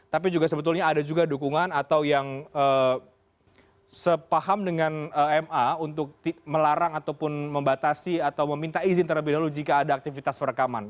tapi juga sebetulnya ada juga dukungan atau yang sepaham dengan ma untuk melarang ataupun membatasi atau meminta izin terlebih dahulu jika ada aktivitas perekaman